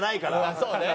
そうね。